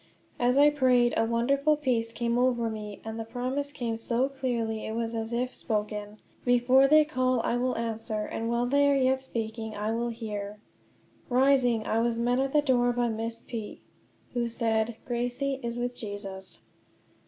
As I prayed a wonderful peace came over me, and the promise came so clearly it was as if spoken: "Before they call I will answer; and while they are yet speaking I will hear." Rising, I was met at the door by Miss P who said: "Gracie is with Jesus."